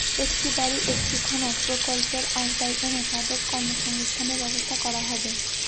একটি বাড়ি একটি খামার প্রকল্পের আওতায় এনে তাদের কর্মসংস্থানের ব্যবস্থা করা হবে।